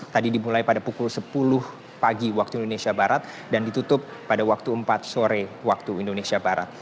tadi dimulai pada pukul sepuluh pagi waktu indonesia barat dan ditutup pada waktu empat sore waktu indonesia barat